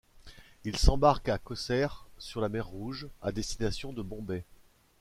Il s'embarque à Kosseir sur la mer rouge à destination de Bombay.